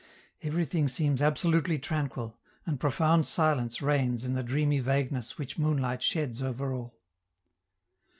Everything seems absolutely tranquil, and profound silence reigns in the dreamy vagueness which moonlight sheds over all.